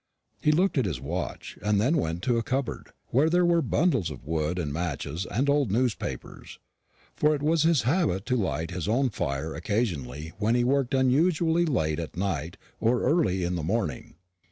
He looked at his watch, and then went to a cupboard, where there were bundles of wood and matches and old newspapers, for it was his habit to light his own fire occasionally when he worked unusually late at night or early in the morning.